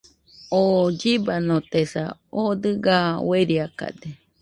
oo llibanotesa, oo dɨga ueriakade